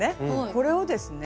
これをですね